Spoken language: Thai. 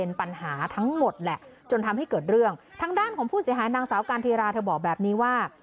ทางด้านของผู้เสียหายนางสาวกาลทีราเธอบอกแบบนี้ว่า